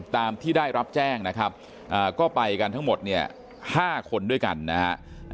ตามที่ได้รับแจ้งนะครับก็ไปกันทั้งหมดเนี่ย๕คนด้วยกันนะฮะ